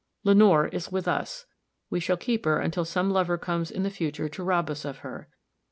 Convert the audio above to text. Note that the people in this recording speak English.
Lenore is with us. We shall keep her until some lover comes in the future to rob us of her.